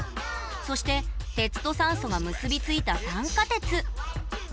そして鉄と酸素が結び付いた酸化鉄。